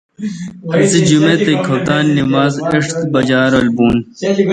اسے° جمیت اے°کھپتان نماز ایݭٹھ بجا رل بون